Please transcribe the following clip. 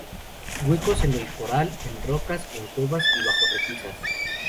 Huecos en el coral, en rocas, en cuevas y bajo repisas.